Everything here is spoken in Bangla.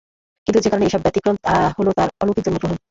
কিন্তু যে কারণে ঈসা ব্যতিক্রম, তা হলো তার অলৌকিক জন্মগ্রহণ।